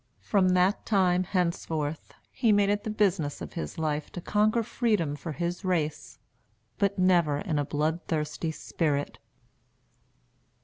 From that time henceforth he made it the business of his life to conquer freedom for his race; but never in a bloodthirsty spirit.